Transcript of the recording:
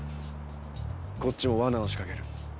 こっちも罠を仕掛ける。